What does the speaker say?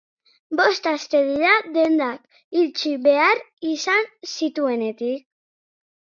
Bost aste dira dendak itxi behar izan zituenetik.